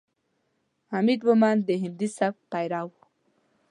حمید مومند د هندي سبک پیرو ؤ.